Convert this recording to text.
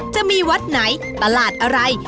จะมีวัดไหนตลาดอะไร